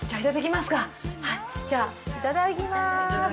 じゃあいただきますか。